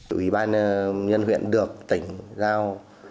ủy ban nhân huyện được tỉnh giao